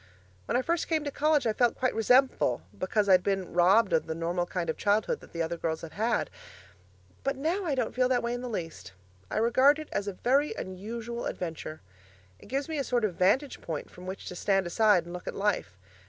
When I first came to college I felt quite resentful because I'd been robbed of the normal kind of childhood that the other girls had had; but now, I don't feel that way in the least. I regard it as a very unusual adventure. It gives me a sort of vantage point from which to stand aside and look at life.